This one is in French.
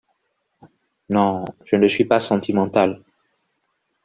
Non, je ne suis pas sentimental.